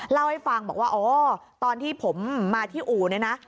เล่าให้ฟังบอกว่าตอนที่ผมมาที่อู๋นะ